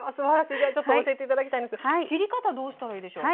じゃあちょっと教えて頂きたいんですけど切り方どうしたらいいでしょう？